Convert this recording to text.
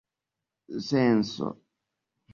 senso